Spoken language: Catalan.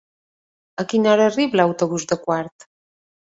A quina hora arriba l'autobús de Quart?